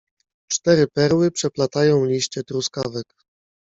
"Cztery perły przeplatają liście truskawek."